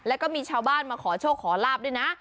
แล้วก็มีชาวบ้านมาขอโชคขอลาบด้วยนะ